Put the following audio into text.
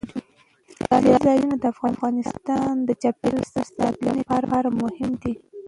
سیلانی ځایونه د افغانستان د چاپیریال ساتنې لپاره مهم دي.